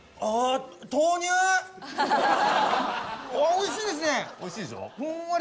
おいしいでしょ。